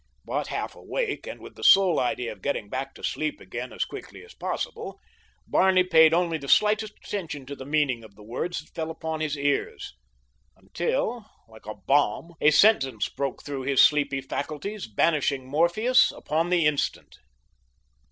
But half awake, and with the sole idea of getting back to sleep again as quickly as possible, Barney paid only the slightest attention to the meaning of the words that fell upon his ears, until, like a bomb, a sentence broke through his sleepy faculties, banishing Morpheus upon the instant.